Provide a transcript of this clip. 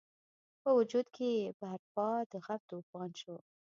په وجود کې یې برپا د غم توپان شو.